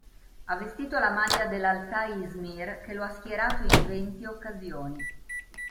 Ha vestito la maglia dell'Altay Izmir, che lo ha schierato in venti occasioni.